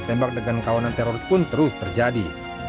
tembak dengan kawanan teroris pun terus terjadi